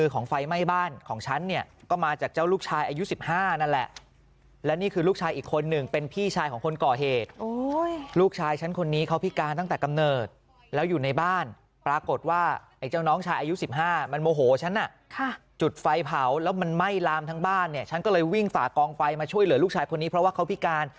กองไฟมาช่วยเหลือลูกชายคนนี้เพราะว่าเขาพิการ